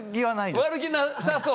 悪気なさそう。